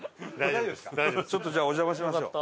ちょっとじゃあお邪魔しましょう。